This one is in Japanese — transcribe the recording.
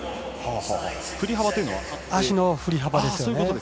ふり幅というのは足のふり幅です。